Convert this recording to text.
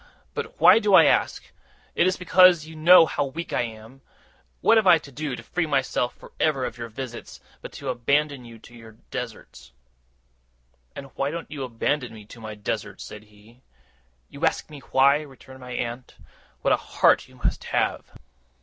But why do I ask? It is because you know how weak I am! What have I to do, to free myself for ever of your visits, but to abandon you to your deserts?' 'And why don't you abandon me to my deserts?' said he. 'You ask me why!' returned my aunt. 'What a heart you must have!